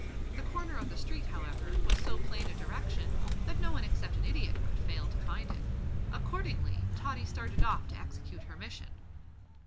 The corner of the street, however, was so plain a direction that no one except an idiot could fail to find it. Accordingly Tottie started off to execute her mission.